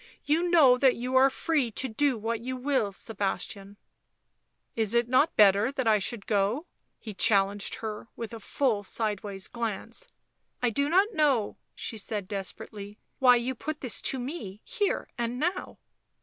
" You know that you are free to do what you will, Sebastian "" Is it not better that I should go ?" He challenged her with a full sideways glance. " I do not know," she said desperately, " why you put this to me, here and now."